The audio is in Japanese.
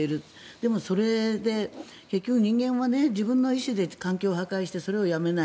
でもそれで結局、人間は自分の意思で環境を破壊してそれをやめない。